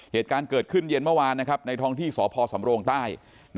เหตุการณ์เกิดขึ้นเย็นเมื่อวานเข้าเถอะในทองที่สพสำรงต์ใต้